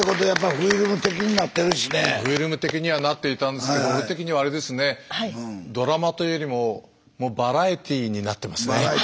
フィルム的にはなっていたんですけど俺的にはあれですねドラマというよりももうバラエティーになってますね。